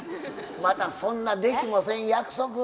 またそんなできもせん約束。